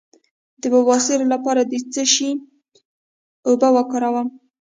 د بواسیر لپاره د څه شي اوبه وکاروم؟